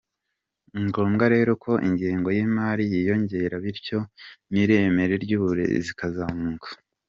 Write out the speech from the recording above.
Ni ngombwa rero ko ingengo y’imari yiyongera bityo n’ireme ry’uburezi rikazamuka”.